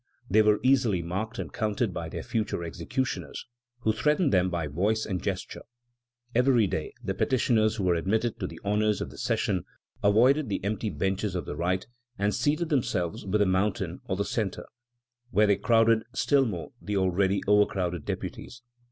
They were easily marked and counted by their future executioners, who threatened them by voice and gesture. Every day the petitioners who were admitted to the honors of the session avoided the empty benches of the right and seated themselves with the Mountain or the centre, where they crowded still more the already overcrowded deputies.